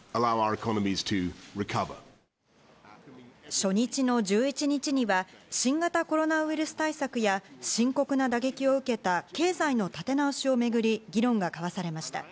初日の１１日には新型コロナウイルス対策や深刻な打撃を受けた経済の立て直しをめぐり議論が交わされました。